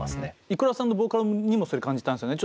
ｉｋｕｒａさんのボーカルにもそれ感じたんですよね。